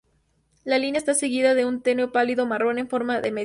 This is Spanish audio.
La línea está seguida de un tenue pálido marrón en forma de media luna.